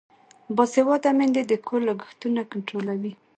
باسواده میندې د کور لګښتونه کنټرولوي.